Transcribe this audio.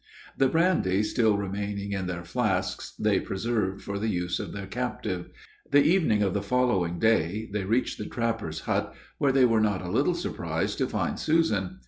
The brandy still remaining in their flasks, they preserved for the use of their captive. The evening of the following day, they reached the trapper's hut, where they were not a little surprised to find Susan.